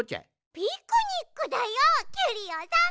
ピクニックだよキュリオさん！